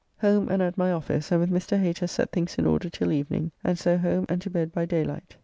Home and at my office, and with Mr. Hater set things in order till evening, and so home and to bed by daylight.